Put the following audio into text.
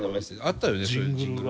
あったよね。